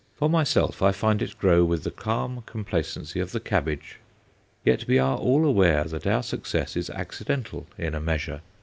For myself, I find it grow with the calm complacency of the cabbage. Yet we are all aware that our success is accidental, in a measure.